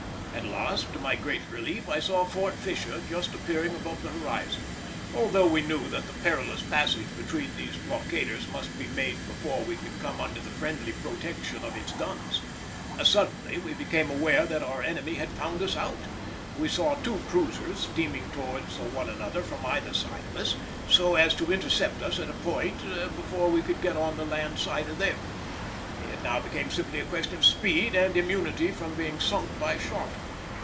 At last, to my great relief, I saw Fort Fisher just appearing above the horizon, although we knew that the perilous passage between these blockaders must be made before we could come under the friendly protection of its guns. Suddenly, we became aware that our enemy had found us out; we saw two cruisers steaming towards one another from either side of us, so as to intercept us at a given point before we could get on the land side of them. It now became simply a question of speed and immunity from being sunk by shot.